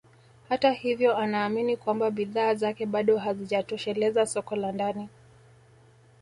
Hata hivyo anaamini kwamba bidhaa zake bado hazijatosheleza soko la ndani